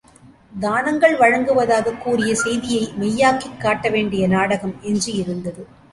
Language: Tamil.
தானங்கள் வழங்குவதாகக் கூறிய செய்தியை மெய்யாக்கிக் காட்டவேண்டிய நாடகம் எஞ்சி இருந்தது.